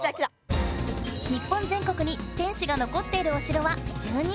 日本ぜん国に天守が残っているお城は１２。